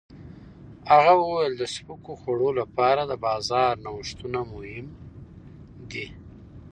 هغه وویل د سپکو خوړو لپاره د بازار نوښتونه مهم دي.